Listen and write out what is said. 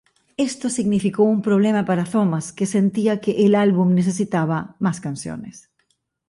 Esto significó un problema para Thomas, que sentía que el álbum necesitaba más canciones.